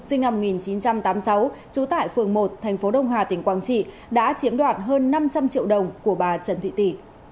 sinh năm một nghìn chín trăm tám mươi sáu trú tại phường một thành phố đông hà tỉnh quảng trị đã chiếm đoạt hơn năm trăm linh triệu đồng của bà trần thị tỷ